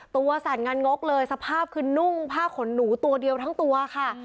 สั่นงานงกเลยสภาพคือนุ่งผ้าขนหนูตัวเดียวทั้งตัวค่ะ